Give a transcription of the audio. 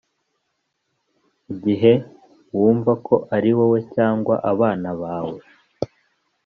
igihe wumva ko ari wowe, cyangwa abana bawe,